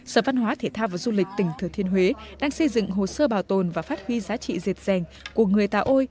sở văn hóa thể thao và du lịch tỉnh thừa thiên huế đang xây dựng hồ sơ bảo tồn và phát huy giá trị diệt dàng của người tà ôi